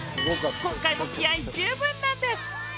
今回も気合い十分なんです。